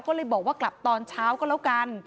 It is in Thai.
ก็เลยบอกว่ากลับตอนเช้าก็แล้วกัน